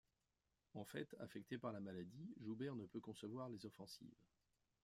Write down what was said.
En fait, affecté par la maladie, Joubert ne peut concevoir les offensives.